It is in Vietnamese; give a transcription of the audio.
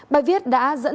bài viết đã dẫn ý kiến